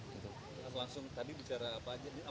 langsung tadi bicara apa aja